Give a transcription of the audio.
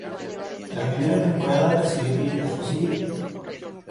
La primera temporada recibió críticas positivas.